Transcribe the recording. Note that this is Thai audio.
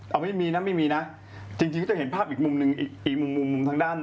เอาไม่มีนะไม่มีนะจริงก็จะเห็นภาพอีกมุมหนึ่งอีกมุมมุมทางด้าน